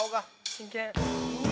「真剣」